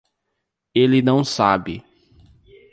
Ele não sabe